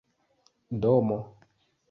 domo